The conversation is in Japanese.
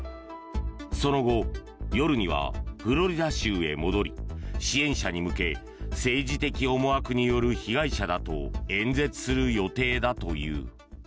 その後、夜にはフロリダ州へ戻り支援者に向け政治的思惑による被害者らと演説する予定だという。